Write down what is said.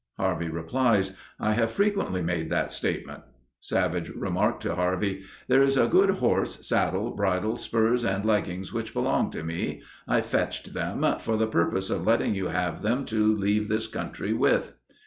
Harvey replies, "I have frequently made that statement." Savage remarked, to Harvey, "There is a good horse, saddle, bridle, spurs and leggings which belong to me. I fetched them, for the purpose of letting you have them to leave this country with."